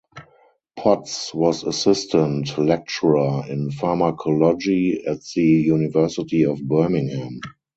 Potts was assistant lecturer in pharmacology at the University of Birmingham.